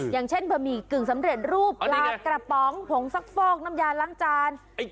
อย่างเช่นบะหมี่กึ่งสำเร็จรูปปลากระป๋องผงซักฟอกน้ำยาล้างจาน